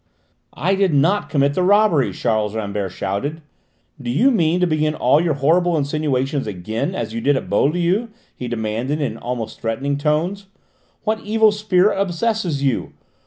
"I did not commit the robbery," Charles Rambert shouted. "Do you mean to begin all your horrible insinuations again, as you did at Beaulieu?" he demanded in almost threatening tones. "What evil spirit obsesses you?